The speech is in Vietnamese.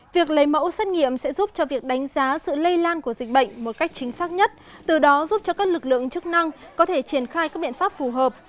việc lấy mẫu xét nghiệm sẽ giúp cho việc đánh giá sự lây lan của dịch bệnh một cách chính xác nhất từ đó giúp cho các lực lượng chức năng có thể triển khai các biện pháp phù hợp